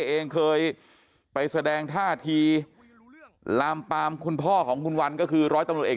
เองเคยไปแสดงท่าทีลามปามคุณพ่อของคุณวันก็คือร้อยตำรวจเอก